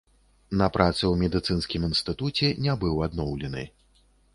На працы ў медыцынскім інстытуце не быў адноўлены.